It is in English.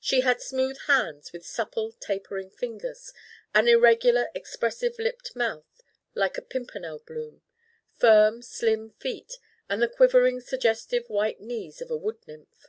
She had smooth hands with supple tapering fingers, an irregular expressive lipped mouth like a pimpernel bloom, firm slim feet and the quivering suggestive white knees of a wood nymph.